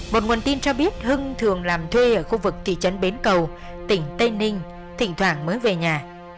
một nguồn tin cho biết hưng thường làm thuê ở khu vực thị trấn bến cầu tỉnh tây ninh thỉnh thoảng mới về nhà